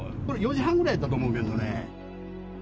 ４時半ぐらいだったと思うけどね。